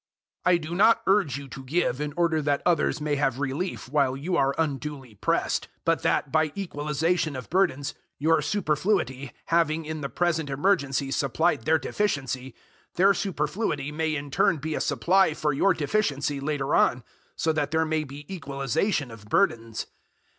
008:013 I do not urge you to give in order that others may have relief while you are unduly pressed, 008:014 but that, by equalization of burdens, your superfluity having in the present emergency supplied their deficiency, their superfluity may in turn be a supply for your deficiency later on, so that there may be equalization of burdens.